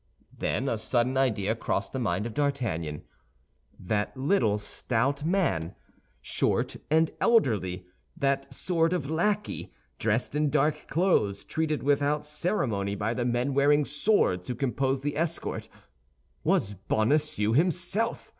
Then a sudden idea crossed the mind of D'Artagnan. That little stout man, short and elderly, that sort of lackey, dressed in dark clothes, treated without ceremony by the men wearing swords who composed the escort, was Bonacieux himself.